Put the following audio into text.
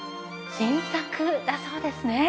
新作だそうですね。